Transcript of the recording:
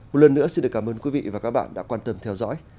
một lần nữa xin được cảm ơn quý vị và các bạn đã quan tâm theo dõi